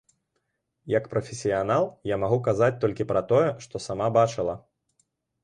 Як прафесіянал, я магу казаць толькі пра тое, што сама бачыла.